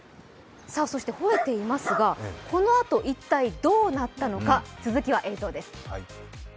そしてほえていますがこのあと一体どうなったのか。